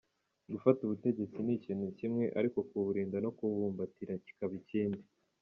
Gufata ubutegetsi ni ikintu kimwe ariko kuburinda no kububumbatira kikaba ikindi.